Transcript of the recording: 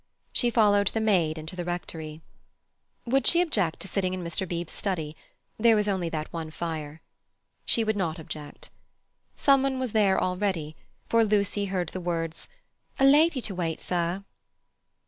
She followed the maid into the Rectory. Would she object to sitting in Mr. Beebe's study? There was only that one fire. She would not object. Some one was there already, for Lucy heard the words: "A lady to wait, sir."